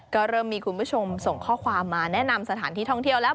ก็เริ่มมีคุณผู้ชมส่งข้อความมาแนะนำสถานที่ท่องเที่ยวแล้ว